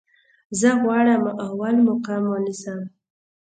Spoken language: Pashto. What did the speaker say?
زه غواړم اول مقام ونیسم